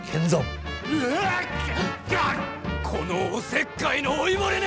このおせっかいの老いぼれ猫！